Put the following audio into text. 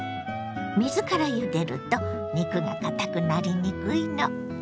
水からゆでると肉がかたくなりにくいの。